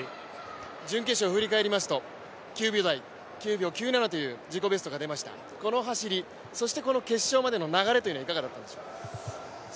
準決勝を振り返りますと、９秒９７という自己ベストが出ました、この走りそしてこの決勝までの流れはいかがだったでしょう？